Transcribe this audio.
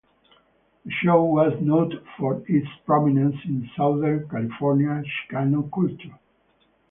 The show was noted for its prominence in Southern California Chicano culture.